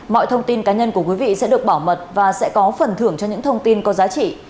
mọi thông tin cá nhân của quý vị sẽ được bảo mật và sẽ có phần thưởng cho những thông tin có giá trị